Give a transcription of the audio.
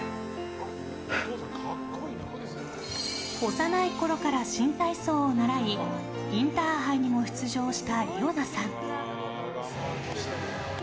幼いころから新体操を習いインターハイにも出場した梨生奈さん。